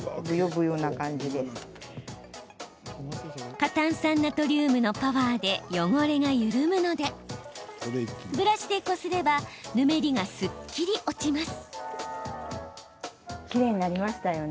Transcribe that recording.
過炭酸ナトリウムのパワーで汚れが緩むのでブラシでこすればヌメリがすっきり落ちます。